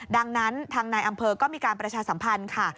ดังนั้นทางนายอำเภอก็มีการประชาสัมพันธ์ค่ะ